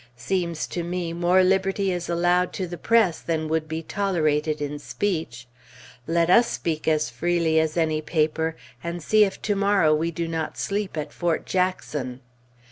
Seems to me, more liberty is allowed to the press than would be tolerated in speech. Let us speak as freely as any paper, and see if to morrow we do not sleep at Fort Jackson!